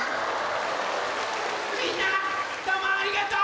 みんなどうもありがとう！